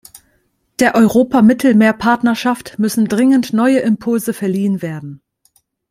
Der Europa-Mittelmeer-Partnerschaft müssen dringend neue Impulse verliehen werden.